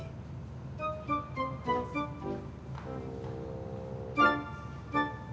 apa mungkin berita ini lu sampein ke selfie